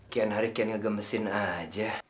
kian hari kian ngegemesin aja